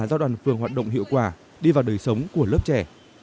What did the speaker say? một phương hoạt động hiệu quả đi vào đời sống của lớp trẻ